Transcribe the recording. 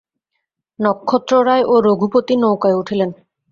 নক্ষত্ররায় ও রঘুপতি নৌকায় উঠিলেন।